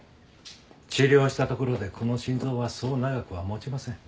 治療したところでこの心臓はそう長くは持ちません。